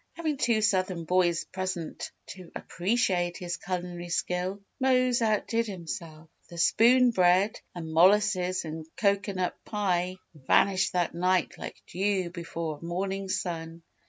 Having two Southern boys present to appreciate his culinary skill, Mose outdid himself. The spoon bread and molasses and cocoanut pie vanished that night like dew before a morning sun.